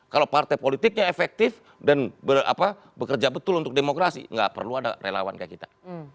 kalau partai politiknya efektif dan bekerja betul untuk demokrasi nggak perlu ada relawan kayak kita